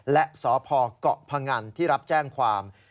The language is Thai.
และสอพลักษณ์เกาะภังการณ์ที่รับแจ้งความ